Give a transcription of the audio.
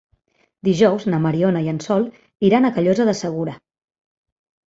Dijous na Mariona i en Sol iran a Callosa de Segura.